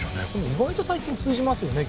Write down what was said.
意外と最近通じますよね